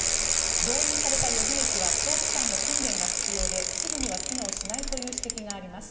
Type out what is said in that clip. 動員された予備役は長期間の訓練が必要ですぐには機能しないという指摘があります。